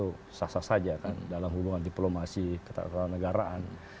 permintaan maaf itu sah sah saja kan dalam hulungan diplomasi ketaturan negaraan